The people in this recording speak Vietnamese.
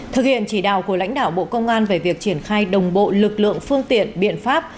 thực hiện chỉ đạo của lãnh đạo bộ công an về việc triển khai đồng bộ lực lượng phương tiện biện pháp